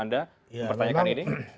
apakah mungkin anda mempertanyakan ini